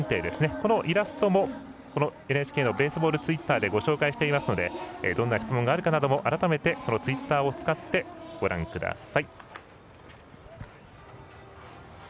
このイラストもＮＨＫのベースボールツイッターでご紹介していますのでどんな質問があるかなども改めて、そのツイッターを使ってご覧ください。